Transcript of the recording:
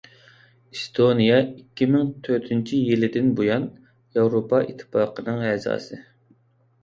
ئېستونىيە ئىككى مىڭ تۆتىنچى يىلىدىن بۇيان ياۋروپا ئىتتىپاقىنىڭ ئەزاسى.